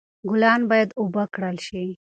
ګلان باید اوبه کړل شي.